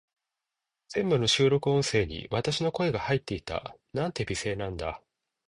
全部の収録音声に、私の声が入っていた。なんて美声なんだ。